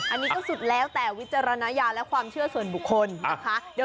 อันนี้ก็สุดแล้วแต่วิจารณญาณและความเชื่อส่วนบุคคลนะคะ